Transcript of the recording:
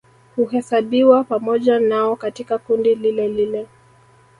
Huhesabiwa pamoja nao katika kundi lilelile